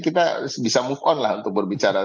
kita bisa move on lah untuk berbicara